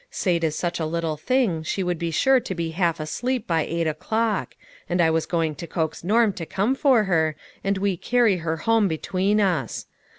Sate is such a little thing, she would be sure to be half asleep by eight o'clock ; and I was going to coax Norm to' come for her, and we carry her home between us.